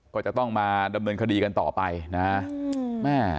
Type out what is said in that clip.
ก็จะต้องมาดำเนินคดีกันต่อไปนะฮะ